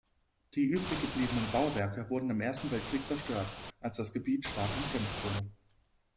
Die übriggebliebenen Bauwerke wurden im Ersten Weltkrieg zerstört, als das Gebiet stark umkämpft wurde.